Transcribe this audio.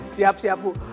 siap siap bu